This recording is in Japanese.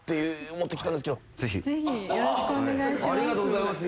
ありがとうございます。